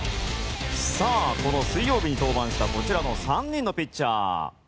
水曜日に登板したこちらの３人のピッチャー。